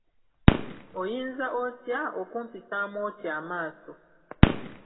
Oyinza otya okumpisaamu otyo amaaso?